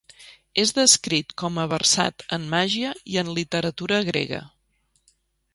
És descrit com a versat en màgia i en literatura grega.